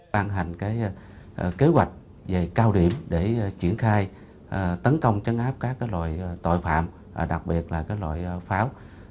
tăng hành kế hoạch về cao điểm để triển khai tấn công chấn áp các loài tội phạm đặc biệt là loài pháo